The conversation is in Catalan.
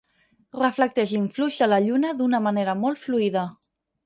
Reflecteix l'influx de la lluna d'una manera molt fluida.